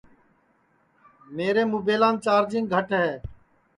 میرے مُبیلام چارجِنگ گھٹ ہے